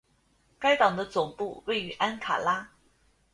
该党的总部位于安卡拉。